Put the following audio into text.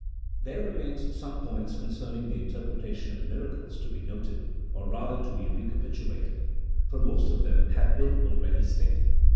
There remain some points concerning the interpretation of miracles to be noted, or rather to be recapitulated, for most of them have been already stated.